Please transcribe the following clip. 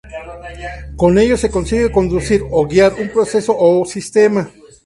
Con ello se consigue conducir o guiar un proceso o sistema.